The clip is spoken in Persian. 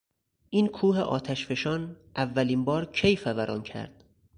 این کوه آتشفشان اولین بار کی فوران کرد؟